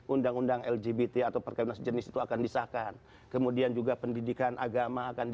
undang undang lgbt atau perkebunan sejenis itu akan disahkan kemudian juga pendidikan agama akan di